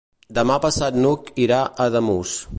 Demà passat n'Hug irà a Ademús.